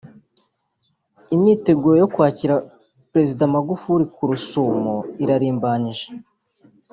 Imyiteguro yo kwakira Perezida Magufuli ku Rusumo irarimbanyije